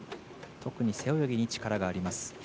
特に背泳ぎに力があります。